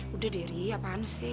udah dery apaan sih